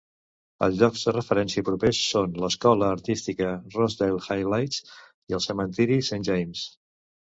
Els llocs de referència propers són l'escola artística Rosedale Heights i el cementiri Saint James.